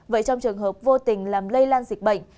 vậy trong trường hợp vô tình làm lây lan dịch bệnh